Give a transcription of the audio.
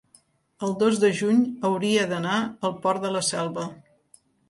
el dos de juny hauria d'anar al Port de la Selva.